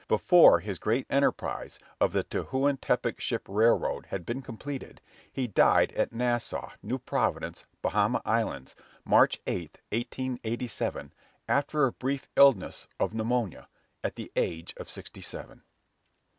Before his great enterprise of the Tehuantepec ship railroad had been completed, he died at Nassau, New Providence, Bahama Islands, March 8, 1887, after a brief illness, of pneumonia, at the age of sixty seven.